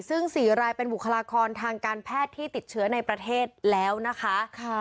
ซึ่ง๔รายเป็นบุคลากรทางการแพทย์ที่ติดเชื้อในประเทศแล้วนะคะ